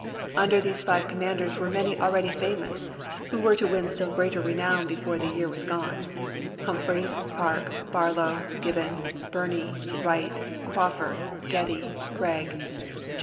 Under these five commanders were many already famous who were to win still greater renown before the year was gone: Humphreys, Parke, Barlow, Gibbon, Birney, Wright, Crawford, Getty, Gregg, J.